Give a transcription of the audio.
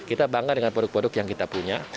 kita bangga dengan produk produk yang kita punya